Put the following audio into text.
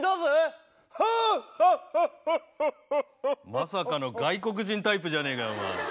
まさかの外国人タイプじゃねえかよお前。